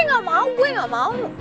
kok gue gak mau gue gak mau